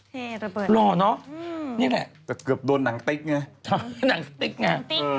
หล่อเนอะนี่แหละแต่เกือบโดนหนังติ๊กไงหนังสติ๊กไง